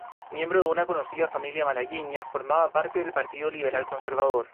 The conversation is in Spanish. Miembro de una conocida familia malagueña, formaba parte del Partido Liberal Conservador.